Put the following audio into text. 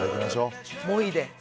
もいで。